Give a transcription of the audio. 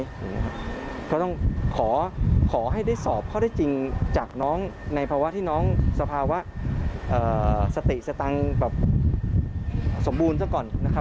ก็ต้องขอให้ได้สอบข้อได้จริงจากน้องในภาวะที่น้องสภาวะสติสตังค์แบบสมบูรณ์ซะก่อนนะครับ